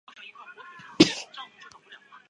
报道里的内容并不能证明桑兰撒谎。